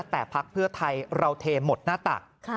แต่พักเพื่อไทยเราเทหมดหน้าตัก